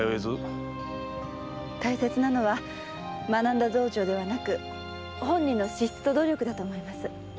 大切なのは学んだ道場ではなく本人の資質と努力だと思います。